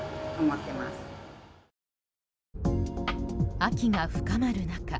秋が深まる中